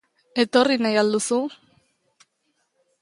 Etorri nahi al duzu?